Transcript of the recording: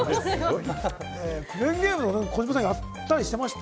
クレーンゲーム、児嶋さん、やったりしました？